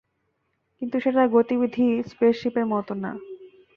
কিন্তু সেটার গতিবিধি স্পেসশিপের মত না।